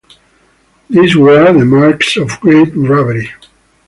These were the marks of great bravery.